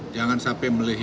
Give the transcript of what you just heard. jangan sampai melihipkan